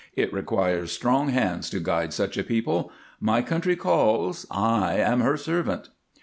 It requires strong hands to guide such a people. My country calls. I am her servant."